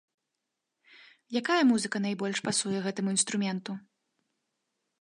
Якая музыка найбольш пасуе гэтаму інструменту?